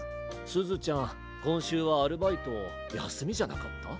すずちゃんこんしゅうはアルバイトやすみじゃなかった？